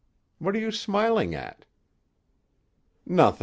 What are you smiling at?" "Nothing.